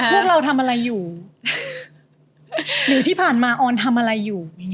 พวกเราทำอะไรอยู่หรือที่ผ่านมาออนทำอะไรอยู่